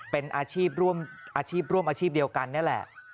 เป็นอาชีพร่วมอาชีพเดียวกันนี่แหละ